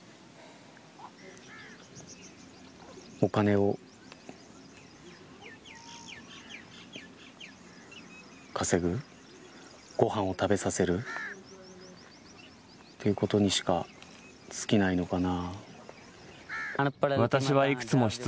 お金を稼ぐ、ご飯を食べさせるということにしかつきないのかな。